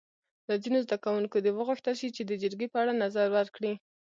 له ځینو زده کوونکو دې وغوښتل شي چې د جرګې په اړه نظر ورکړي.